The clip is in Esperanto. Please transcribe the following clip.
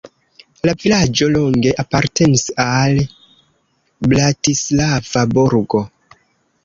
La vilaĝo longe apartenis al Bratislava burgo.